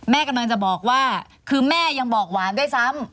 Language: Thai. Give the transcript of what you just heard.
แม่กำลังจะบอกว่าคือแม่ยังบอกหวานด้วยซ้ำ